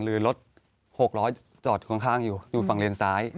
หรือรถ๖๐๐จอดข้างอยู่อยู่ฝั่งเลนซ้าย